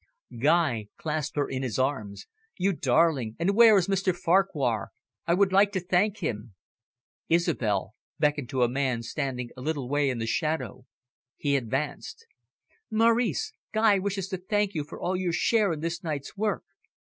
Guy clasped her in his arms. "You darling! And where is Mr Farquhar? I would like to thank him." Isobel beckoned to a man standing a little way in the shadow. He advanced. "Maurice, Guy wishes to thank you for all your share in this night's work."